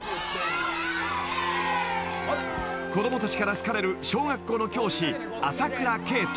［子供たちから好かれる小学校の教師朝倉啓太］